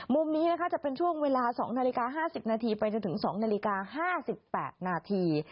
มุมนี้นะคะจะเป็นช่วงเวลา๒นาฬิกา๕๐นาทีไปจนถึง๒นาฬิกา๕๘นาที